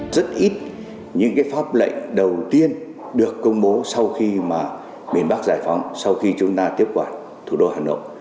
rất ít những pháp lệnh đầu tiên được công bố sau khi biển bắc giải phóng sau khi chúng ta tiếp quản thủ đô hà nội